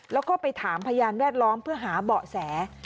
แล้วก็ไปถามพยานแวดล้อมเพื่อหาเบาะแส